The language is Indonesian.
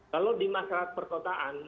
kalau di masyarakat perkotaan